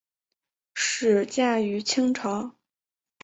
始建于清朝。